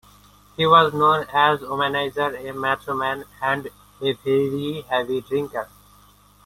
He was known as a womanizer, a macho man, and a very heavy drinker.